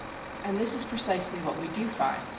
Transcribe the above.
And this is precisely what we do find.